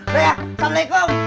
udah ya assalamu'alaikum